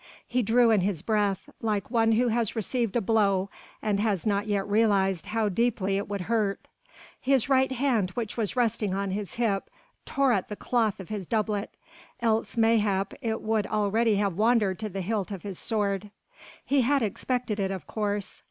He drew in his breath, like one who has received a blow and has not yet realized how deeply it would hurt. His right hand which was resting on his hip tore at the cloth of his doublet, else mayhap it would already have wandered to the hilt of his sword. He had expected it of course.